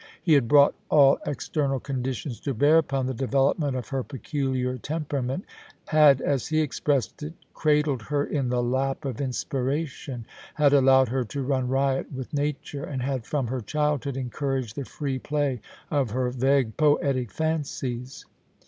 He had brought all external conditions to bear upon the development of her peculiar temperament ; had, as he expressed it, * cradled her in the lap of inspiration,' had allowed her to run riot with nature, and had from her childhood encouraged the free play of her vague poetic fancies.